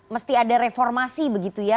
mesti ada reformasi begitu ya